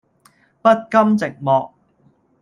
不甘寂寞